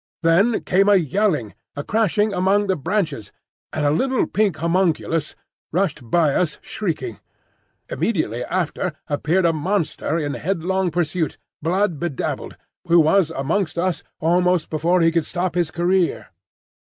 Then came a yelling, a crashing among the branches, and a little pink homunculus rushed by us shrieking. Immediately after appeared a monster in headlong pursuit, blood bedabbled, who was amongst us almost before he could stop his career.